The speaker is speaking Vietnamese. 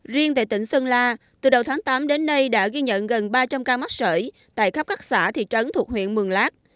riêng tại tỉnh sơn la từ đầu tháng tám đến nay đã ghi nhận gần ba trăm linh ca mắc sởi tại khắp các xã thị trấn thuộc huyện mường lát